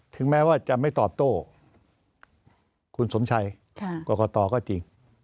ถึงแม้ว่าจะไม่ตอบโต้คุณสมชัยกรกตก็จริง